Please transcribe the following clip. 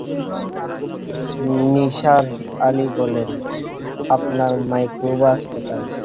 নিসার আলি বললেন, আপনার মাইক্রোবাস কোথায়?